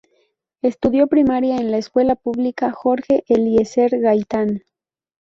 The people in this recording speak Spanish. Estudió primaria en la escuela pública Jorge Eliecer Gaitán.